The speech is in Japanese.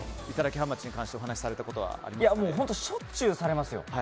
ハウマッチについてしょっちゅうありますよ。